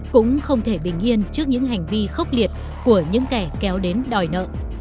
cũng không thể bình yên trước những hành vi khốc liệt của những kẻ kéo đến đòi nợ